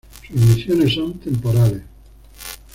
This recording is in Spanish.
Sus misiones son temporales.